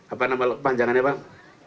apa nama panjangannya pak